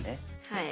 はい。